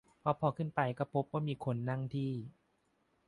เพราะพอขึ้นไปก็พบว่ามีคนนั่งที่